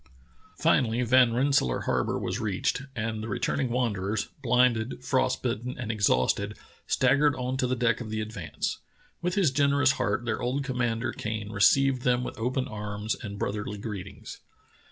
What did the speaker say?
Finally Van Rensselaer Harbor was reached, and the returning wanderers, blinded, frost bitten, and ex hausted, staggered on to the deck of the Advance. With his generous heart their old commander Kane received them with open arms and brotherly greetings.